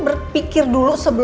pernah kayer lebih